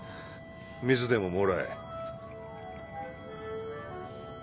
水でももらえ。